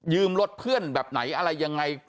รถเพื่อนแบบไหนอะไรยังไง